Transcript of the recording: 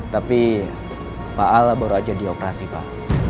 tapi pak ala baru aja dioperasi pak